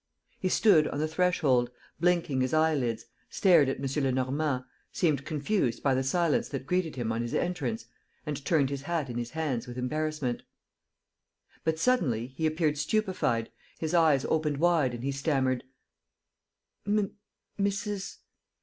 He stood on the threshold, blinking his eyelids, stared at M. Lenormand, seemed confused by the silence that greeted him on his entrance and turned his hat in his hands with embarrassment. But, suddenly, he appeared stupefied, his eyes opened wide and he stammered: "Mrs. ...